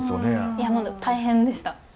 いやもう大変でした。